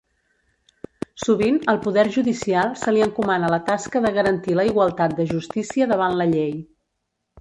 Sovint, al poder judicial se li encomana la tasca de garantir la igualtat de justícia davant la llei.